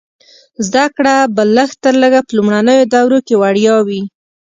زده کړه به لږ تر لږه په لومړنیو دورو کې وړیا وي.